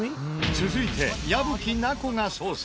続いて矢吹奈子が捜査。